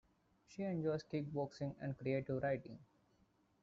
She enjoys kick-boxing and creative writing.